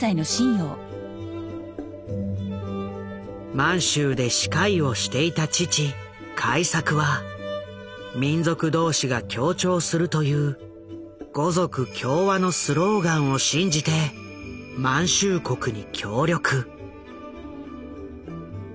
満州で歯科医をしていた父開作は民族同士が協調するという「五族協和」のスローガンを信じて満州国に協力。